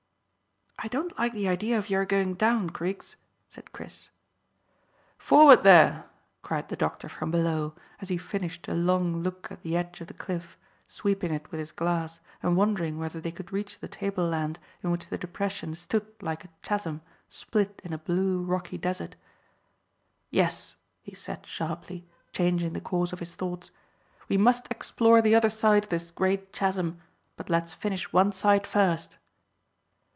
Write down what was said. "I don't like the idea of your going down, Griggs," said Chris. "Forward there," cried the doctor from below, as he finished a long look at the edge of the cliff, sweeping it with his glass and wondering whether they could reach the tableland in which the depression stood like a chasm split in a blue, rocky desert, "Yes," he said sharply, changing the course of his thoughts, "we must explore the other side of this great chasm, but let's finish one side first."